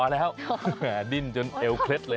แล้วดิ้นจนเอวเคล็ดเลย